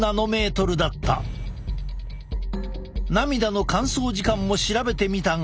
涙の乾燥時間も調べてみたが。